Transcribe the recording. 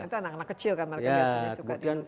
itu anak anak kecil kan mereka biasanya suka dengan